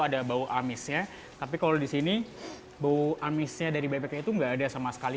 ada bau amisnya tapi kalau di sini bau amisnya dari bebeknya itu nggak ada sama sekali